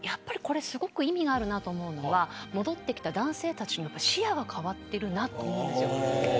すごく意味があると思うのは戻ってきた男性たちの視野が変わっているなと思います。